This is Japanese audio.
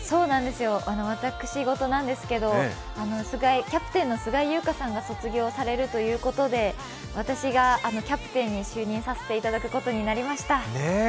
私ごとなんですけど、キャプテンの菅井友香さんが卒業されるということで私がキャプテンに就任させていただくことになりました。